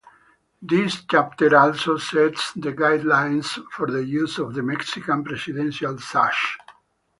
This chapter also sets the guidelines for the use of the Mexican Presidential Sash.